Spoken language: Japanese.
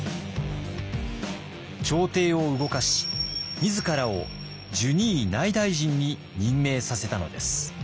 朝廷を動かし自らを従二位内大臣に任命させたのです。